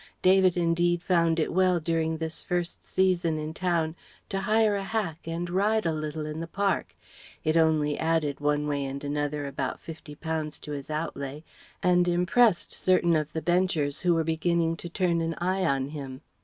David indeed found it well during this first season in Town to hire a hack and ride a little in the Park it only added one way and another about fifty pounds to his outlay and impressed certain of the Benchers who were beginning to turn an eye on him.